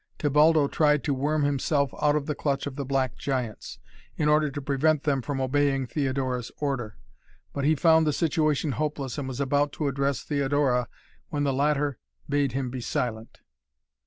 Tebaldo tried to worm himself out of the clutch of the black giants, in order to prevent them from obeying Theodora's order, but he found the situation hopeless and was about to address Theodora when the latter bade him be silent.